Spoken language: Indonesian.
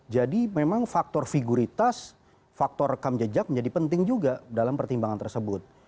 jadi memang faktor figuritas faktor rekam jejak menjadi penting juga dalam pertimbangan tersebut